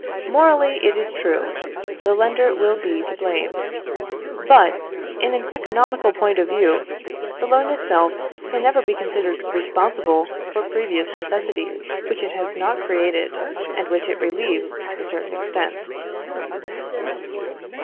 Morally, it is true, the lender will be to blame; but, in an economical point of view, the loan itself can never be considered responsible for previous necessities, which it has not created, and which it relieves to a certain extent.